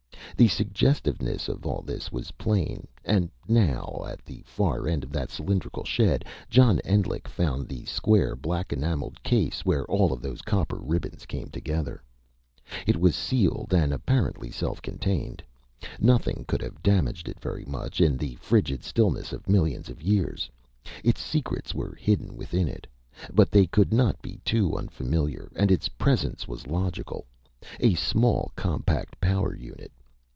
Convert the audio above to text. The suggestiveness of all this was plain. And now, at the far end of that cylindrical shed, John Endlich found the square, black enamelled case, where all of those copper ribbons came together. It was sealed, and apparently self contained. Nothing could have damaged it very much, in the frigid stillness of millions of years. Its secrets were hidden within it. But they could not be too unfamiliar. And its presence was logical. A small, compact power unit.